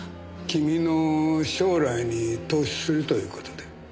君の将来に投資するという事で。